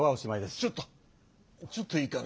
ちょっとちょっといいかな。